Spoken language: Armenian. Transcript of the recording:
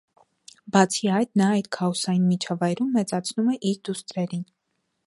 Բացի այդ նա այդ քաոսային միջավայրում մեծացնում է իր դուստրերին։